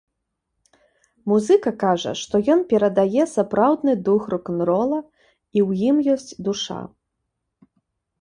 Музыка кажа, што ён перадае сапраўдны дух рок-н-рола і ў ім ёсць душа.